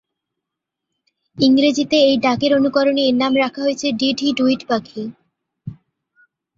ইংরেজিতে এই ডাকের অনুকরণে এর নাম রাখা হয়েছে "ডিড-হি-ডু-ইট" পাখি।